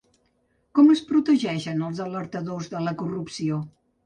Com es protegeixen els alertadors de la corrupció?